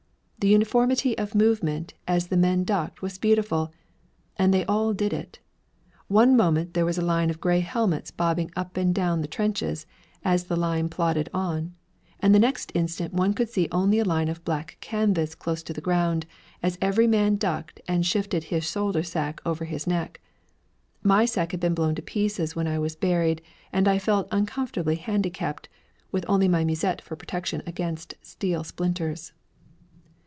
The uniformity of movement as the men ducked was beautiful and they all did it! One moment there was a line of gray helmets bobbing up and down the trenches as the line plodded on; and the next instant one could see only a line of black canvas close to the ground, as every man ducked and shifted his shoulder sack over his neck. My sack had been blown to pieces when I was buried, and I felt uncomfortably handicapped, with only my musette for protection against steel splinters.